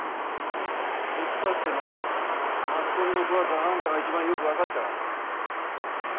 突っ張ってもマスコミの怖さはあんたが一番よく分かってるはずじゃないか。